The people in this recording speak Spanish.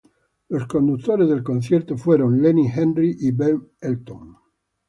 Los conductores del concierto fueron Lenny Henry y Ben Elton.